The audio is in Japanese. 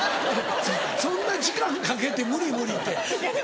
そんな時間かけて「無理無理」って。